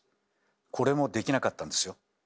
これもできなかったんですよ？